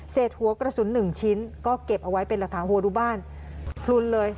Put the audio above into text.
หัวกระสุนหนึ่งชิ้นก็เก็บเอาไว้เป็นหลักฐานหัวดูบ้านพลุนเลย